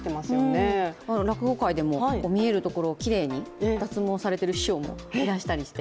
落語界でも見えるところをきれいに脱毛されている師匠もいらっしゃったりして。